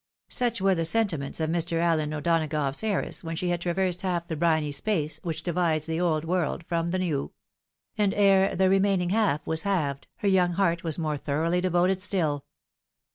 Such were the sentiments of Mr. Ailen O'Donagough's heiress when she had traversed half the briny space which divides the old world from the new ; and ere the remaining half was halved, her young heart was more thoroughly devoted still.